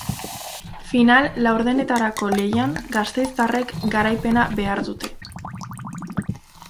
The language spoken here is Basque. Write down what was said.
Final laurdenetarako lehian, gasteiztarrek garaipena behar dute.